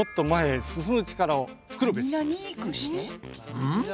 うん？